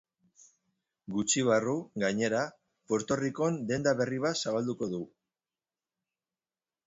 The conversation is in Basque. Gutxi barru, gainera, Puerto Ricon denda berri bat zabalduko du.